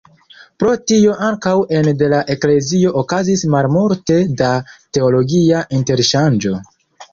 Pro tio ankaŭ ene de la eklezio okazis malmulte da teologia interŝanĝo.